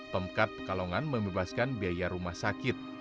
pemkat pekalongan membebaskan biaya rumah sakit